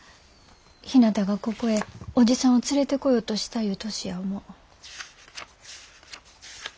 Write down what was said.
ひなたがここへ伯父さんを連れてこようとしたいう年や思う。